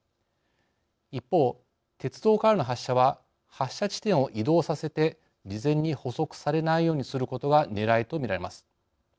一方鉄道からの発射は発射地点を移動させて事前に捕捉されないようにすることがねらいとみられます。